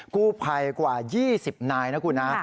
กู้ภายกว่า๒๐นายนะครับคุณฮะ